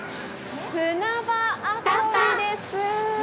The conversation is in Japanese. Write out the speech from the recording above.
砂場遊びです。